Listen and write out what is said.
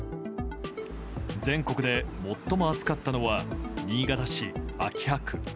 全国で最も暑かったのは新潟市秋葉区。